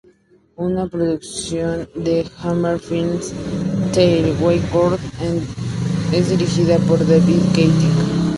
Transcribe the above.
Una producción de Hammer Films, "The Wake Wood" es dirigida por David Keating.